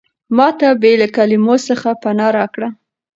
ما ته بې له کلمو څخه پناه راکړه.